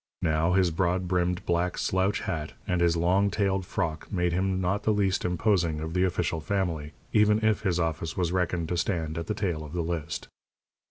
Now, his broad brimmed black slouch hat, and his long tailed "frock" made him not the least imposing of the official family, even if his office was reckoned to stand at the tail of the list.